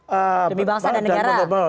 demi bangsa dan negara